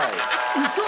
ウソ！？